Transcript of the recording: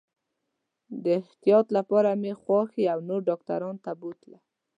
د احتیاط لپاره مې خواښي او نور ډاکټر ته بوتلل.